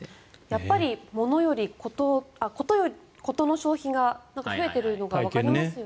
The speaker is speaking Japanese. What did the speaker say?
やっぱりコト消費が増えているのがわかりますよね。